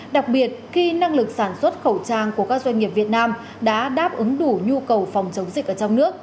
đặc biệt khi năng lực sản xuất khẩu trang của các doanh nghiệp việt nam đã đáp ứng đủ nhu cầu phòng chống dịch ở trong nước